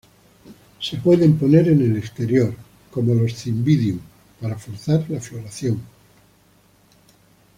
Se pueden poner en el exterior como los "Cymbidium" para forzar la floración.